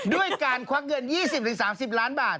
ด้วยการควักเงิน๒๐๓๐ล้านบาท